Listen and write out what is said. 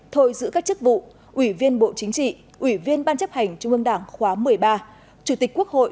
thôi giữ các chức vụ ủy viên bộ chính trị ủy viên ban chấp hành trung ương đảng khóa một mươi ba chủ tịch quốc hội